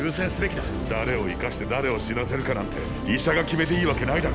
誰を生かして誰を死なせるかなんて医者が決めていいわけないだろ。